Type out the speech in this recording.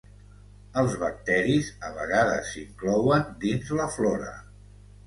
Els bacteris a vegades s'inclouen dins la flora.